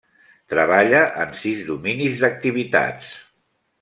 Treballa en sis dominis d'activitats.